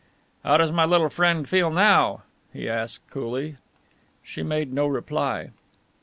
"How does my little friend feel now?" he asked coolly. She made no reply.